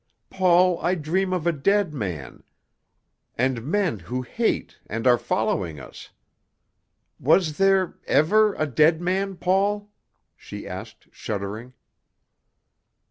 Paul, I dream of a dead man, and men who hate and are following us. Was there ever a dead man, Paul?" she asked, shuddering.